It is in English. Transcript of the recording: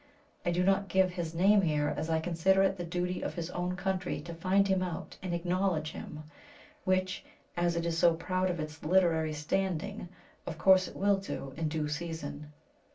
I do not give his name here, as I consider it the duty of his own country to find him out and acknowledge him, which, as it is so proud of its literary standing, of course it will do in due season.